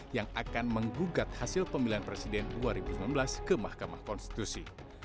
yang akan menggugat hasil pemilihan presiden dua ribu sembilan belas ke mahkamah konstitusi